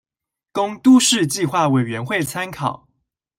供都市計畫委員會參考